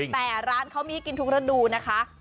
แต่ร้านเขามีให้กินทุกฤดูนะคะ